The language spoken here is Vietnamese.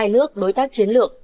một mươi hai nước đối tác chiến lược